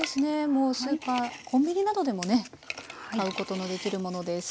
もうスーパーコンビニなどでもね買うことのできるものです。